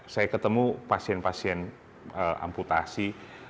saya ketemu pasien pasien amputasi